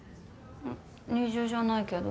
え二重じゃないけど。